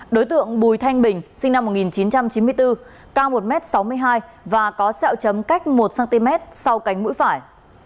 đối tượng bùi thanh bình sinh năm một nghìn chín trăm chín mươi bốn cao một m sáu mươi hai và có sẹo chấm cách một cm sau cánh mũi phải